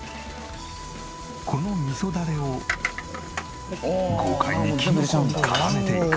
この味噌ダレを豪快にキノコに絡めていく。